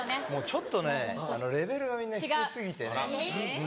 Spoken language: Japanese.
ちょっとねレベルがみんな低過ぎてね。